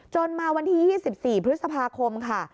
มาวันที่๒๔พฤษภาคมค่ะ